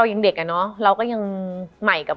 มันทำให้ชีวิตผู้มันไปไม่รอด